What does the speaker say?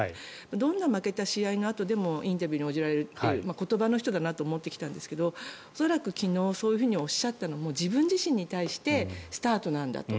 どんな負けた試合のあとでもインタビューに応じられる言葉の人だなと思ったんですが恐らく昨日、そういうふうにおっしゃったのも自分自身に対してスタートなんだと。